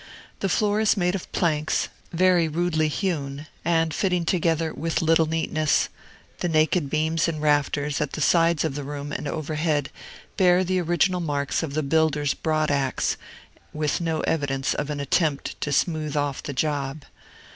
The floor is made of planks, very rudely hewn, and fitting together with little neatness; the naked beams and rafters, at the sides of the room and overhead, bear the original marks of the builder's broad axe, with no evidence of an attempt to smooth off the job.